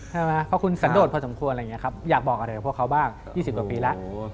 ใช่ไหมเพราะคุณสันโดดพอสมควรอะไรอย่างนี้ครับอยากบอกอะไรกับพวกเขาบ้าง๒๐กว่าปีแล้ว